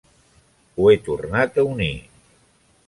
Ho he tornat a unir.